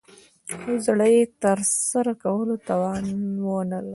او زه يې دترسره کولو توان وه لرم .